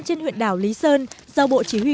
trên huyện đảo lý sơn do bộ chỉ huy